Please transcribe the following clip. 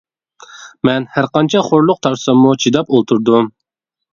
مەن ھەرقانچە خورلۇق تارتساممۇ چىداپ ئولتۇردۇم.